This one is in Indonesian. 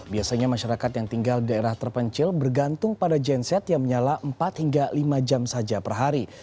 biasanya masyarakat yang tinggal di daerah terpencil bergantung pada genset yang menyala empat hingga lima jam saja per hari